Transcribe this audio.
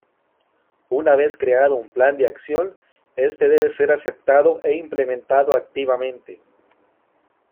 Una vez creado un plan de acción, este debe ser aceptado e implementado activamente.